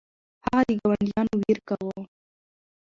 هغه د ګاونډیو ویر کاوه.